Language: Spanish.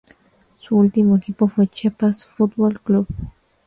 Su último equipo fue Chiapas Fútbol Club.